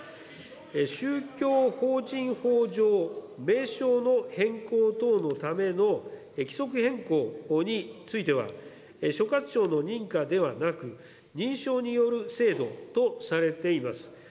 宗教法人法上、名称の変更等のための規則変更については、所轄庁の認可ではなく、認証による制度とされています。